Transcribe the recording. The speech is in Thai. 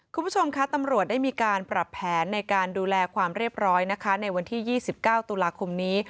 คุณผู้ชมคะตำรวจได้มีการปรับแผนในการดูแลความเรียบร้อยนะคะในวันที่๒๙ตุลาคมนี้